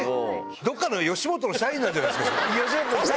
どっかの吉本の社員なんじゃないですか、それ。